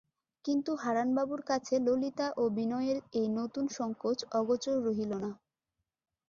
কিন্তু হারানবাবুর কাছে ললিতা ও বিনয়ের এই নূতন সংকোচ অগোচর রহিল না।